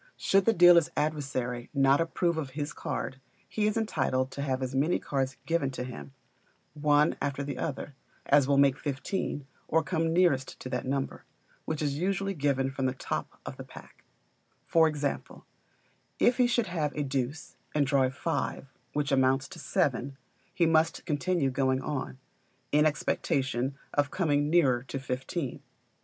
Should the dealer's adversary not approve of his card, he is entitled to have as many cards given to him, one after the other, as will make fifteen, or come nearest to that number; which are usually given from the top of the, pack: for example if he should have a deuce, and draw a five, which amounts to seven, he must continue going on, in expectation of coming nearer to fifteen.